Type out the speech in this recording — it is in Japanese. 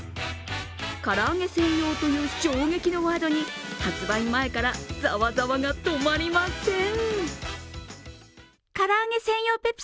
「から揚げ専用」という衝撃のワードに、発売前からざわざわが止まりません。